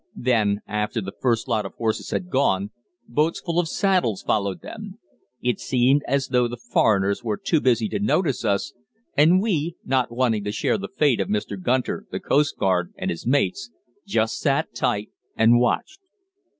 Then, after the first lot of horses had gone, boats full of saddles followed them. It seemed as though the foreigners were too busy to notice us, and we not wanting to share the fate of Mr. Gunter, the coastguard, and his mates just sat tight and watched.